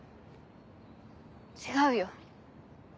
違うよ。